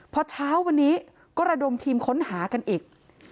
พอเช้าวันนี้ก็ระดมทีมค้นหากันอีก